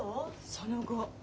その後。